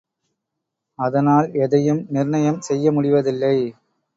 அதனால் எதையும் நிர்ணயம் செய்ய முடிவதில்லை.